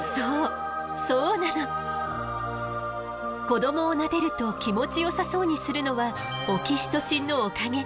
子どもをなでると気持ちよさそうにするのはオキシトシンのおかげ。